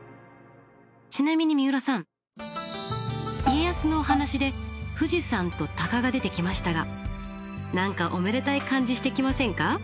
ちなみに三浦さん家康のお話で「富士山」と「鷹」が出てきましたが何かおめでたい感じしてきませんか？